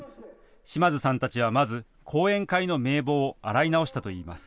嶌津さんたちはまず、後援会の名簿を洗い直したといいます。